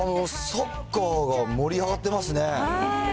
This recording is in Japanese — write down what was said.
サッカーが盛り上がってますね。